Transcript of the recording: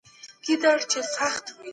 اسلام د بې وزلو غږ دی.